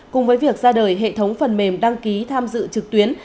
cùng với việc ra đời hệ thống phần mềm đăng ký tham dự trực tuyến